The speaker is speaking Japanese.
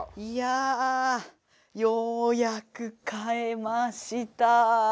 いやようやく買えました。